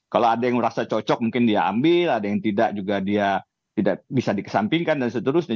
kalau ada yang merasa cocok mungkin dia ambil ada yang tidak juga dia tidak bisa dikesampingkan dan seterusnya